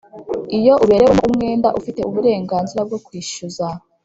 Iyo uberewemo umwenda ufite uburenganzira bwo kwishyuza